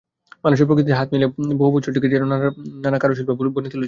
মানুষে প্রকৃতিতে হাত মিলিয়ে সমস্ত বছরটিকে যেন নানা কারুশিল্পে বুনে তুলছে।